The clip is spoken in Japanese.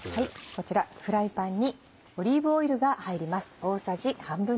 こちらフライパンにオリーブオイルが入ります。